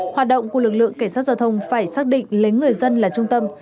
hoạt động của lực lượng cảnh sát giao thông phải xác định lấy người dân là trung tâm